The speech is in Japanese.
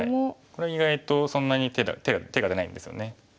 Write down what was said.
これは意外とそんなに手が出ないんですよね。